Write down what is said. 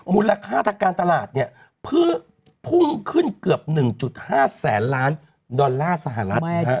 มูลค่าทางการตลาดเนี่ยพุ่งขึ้นเกือบ๑๕แสนล้านดอลลาร์สหรัฐ